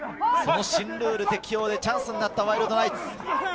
その新ルール適用でチャンスになったワイルドナイツ。